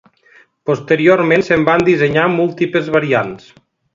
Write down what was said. Posteriorment se'n van dissenyar múltiples variants.